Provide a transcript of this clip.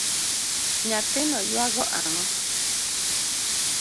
Nyathino ywago ango.